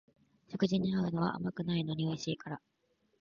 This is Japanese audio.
食事に合うのは甘くないのにおいしいから